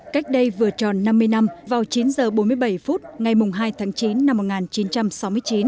cách đây vừa tròn năm mươi năm vào chín h bốn mươi bảy phút ngày hai tháng chín năm một nghìn chín trăm sáu mươi chín